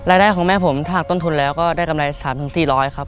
รายได้ของแม่ผมถ้าหากต้นทุนแล้วก็ได้กำไรสามถึงสี่ร้อยครับ